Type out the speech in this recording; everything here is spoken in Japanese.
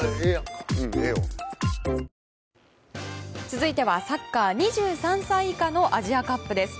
続いてはサッカー２３歳以下のアジアカップです。